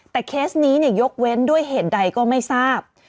แต่เคสนี้ยกเว้นด้วยเหตุใดก็ไม่ทราบ